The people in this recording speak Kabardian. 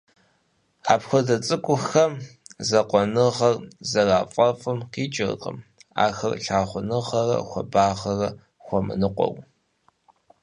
Апхуэдэ цӀыкӀухэм закъуэныгъэр зэрафӀэфӀым къикӀыркъым ахэр лъагъуныгъэрэ хуабагъэрэ хуэмыныкъуэу.